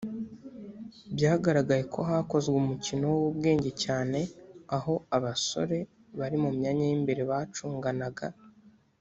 byagaragaye ko hakozwe umukino w’ubwenge cyane aho abasore bari mu myanya y’imbere bacunganaga